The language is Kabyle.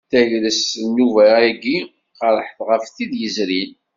Tagrest n nnuba-ayi qerrḥet ɣef tid yezrin.